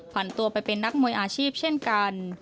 ผ่านตัวไปเป็นนักมวยอาชีพเช่นกัน